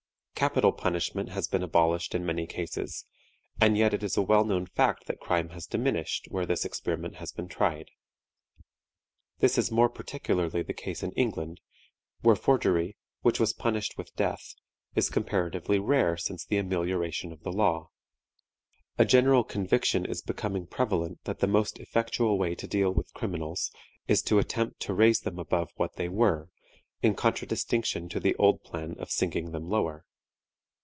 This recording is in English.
Capital punishment has been abolished in many cases, and yet it is a well known fact that crime has diminished where this experiment has been tried. This is more particularly the case in England, where forgery, which was punished with death, is comparatively rare since the amelioration of the law. A general conviction is becoming prevalent that the most effectual way to deal with criminals is to attempt to raise them above what they were, in contradistinction to the old plan of sinking them lower.